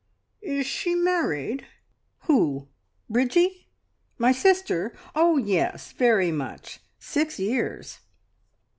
Is she married?" "Who? Bridgie my sister? Oh yes very much. Six years."